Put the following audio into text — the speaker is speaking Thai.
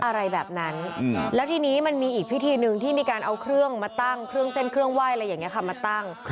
อะไรแบบนั้นแล้วทีนี้มันมีอีกพิธีหนึ่งที่มีการเอาเครื่องมาตั้งเครื่องเส้นเครื่องไหว้อะไรอย่างนี้ค่ะมาตั้ง